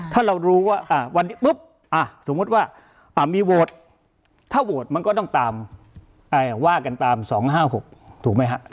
ถ้าเรารู้ว่าวันนี้ปุ๊บสมมุติว่ามีโหวตถ้าโหวตมันก็ต้องตามว่ากันตาม๒๕๖ถูกไหมฮะ